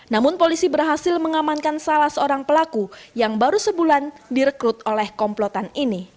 namun polisi berhasil mengamankan salah seorang pelaku yang baru sebulan direkrut oleh komplotan ini